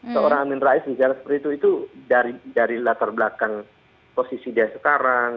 seorang amin rais misalnya seperti itu itu dari latar belakang posisi dia sekarang